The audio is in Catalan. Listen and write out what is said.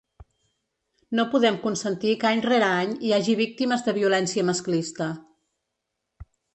No podem consentir que any rere any hi hagi víctimes de violència masclista.